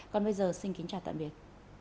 còn bây giờ xin kính chào tạm biệt